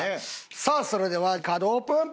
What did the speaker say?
さあそれではカードオープン！